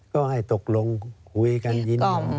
ก็ให้ตกลงคุยกันยินยอม